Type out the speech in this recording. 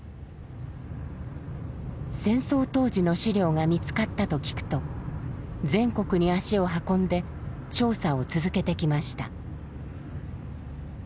戦争当時の資料が見つかったと聞くと全国に足を運んで調査を続けてきました。